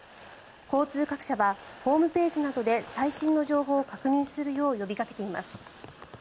交通各社はホームページなどで最新の情報を確認するよう呼びかけています。